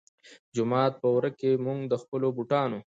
جومات پۀ ورۀ کښې مونږ د خپلو بوټانو